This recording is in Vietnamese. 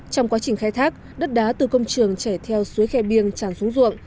trong quá trình khai thác đất đá từ công trường chảy theo suối khe biêng tràn xuống ruộng